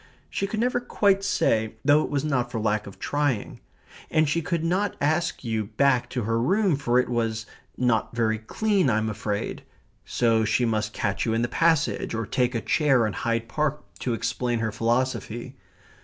She could never quite say, though it was not for lack of trying. And she could not ask you back to her room, for it was "not very clean, I'm afraid," so she must catch you in the passage, or take a chair in Hyde Park to explain her philosophy.